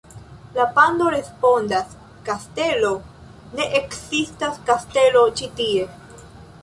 La pando respondas: "Kastelo? Ne ekzistas kastelo ĉi tie."